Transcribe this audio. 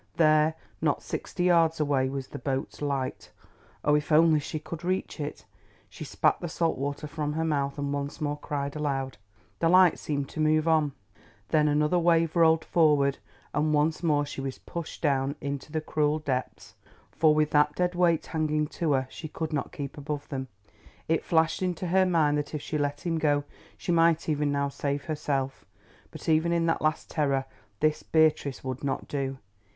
There, not sixty yards away, was the boat's light. Oh, if only she could reach it. She spat the salt water from her mouth and once more cried aloud. The light seemed to move on. Then another wave rolled forward and once more she was pushed down into the cruel depths, for with that dead weight hanging to her she could not keep above them. It flashed into her mind that if she let him go she might even now save herself, but even in that last terror this Beatrice would not do.